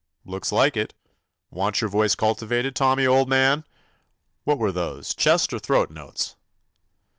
"Looks like it. Want your voice cultivated, Tommy, old man? What were those, chest or throat notes?"